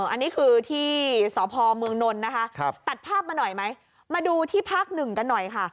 อันนี้คือที่สพเมืองนนท์นะคะตัดภาพมาหน่อยไหมมาดูที่ภาคหนึ่งกันหน่อยค่ะ